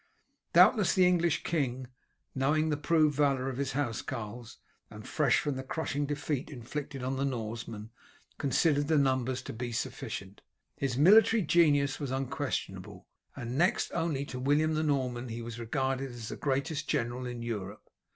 Doubtless the English king, knowing the proved valour of his housecarls, and fresh from the crushing defeat inflicted on the Norsemen, considered the numbers to be sufficient. His military genius was unquestionable, and next only to William the Norman he was regarded as the greatest general in Europe.